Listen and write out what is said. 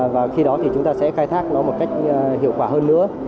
và khi đó thì chúng ta sẽ khai thác nó một cách hiệu quả hơn nữa